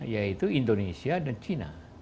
yaitu indonesia dan cina